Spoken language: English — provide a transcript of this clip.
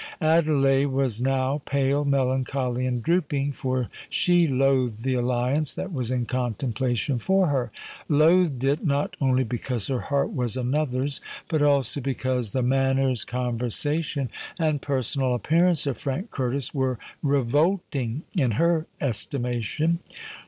Adelais was now pale, melancholy, and drooping; for she loathed the alliance that was in contemplation for her—loathed it, not only because her heart was another's, but also because the manners, conversation, and personal appearance of Frank Curtis were revolting in her estimation.